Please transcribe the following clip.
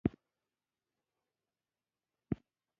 په لویو پانګوالو هېوادونو کې دوی ډېر لږ دي